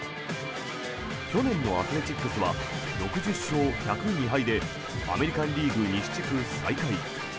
去年のアスレチックスは６０勝１０２敗でアメリカン・リーグ西地区最下位。